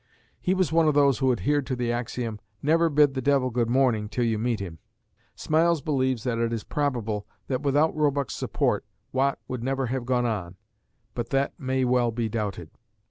He was one of those who adhered to the axiom, "Never bid the devil good morning till you meet him." Smiles believes that it is probable that without Roebuck's support Watt could never have gone on, but that may well be doubted.